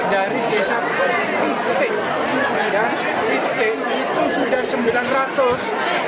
dari desa itik